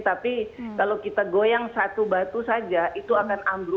tapi kalau kita goyang satu batu saja itu akan ambruk